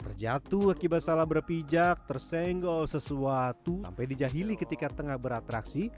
terjatuh akibat salah berpijak tersenggol sesuatu sampai dijahili ketika tengah beratraksi